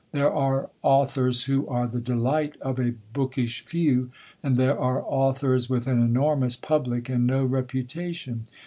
There are authors who are the delight of a bookish few, and there are authors with an enormous public and no reputation.